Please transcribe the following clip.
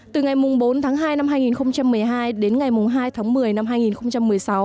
từ ngày bốn tháng hai năm hai nghìn một mươi hai đến ngày hai tháng một mươi năm hai nghìn một mươi sáu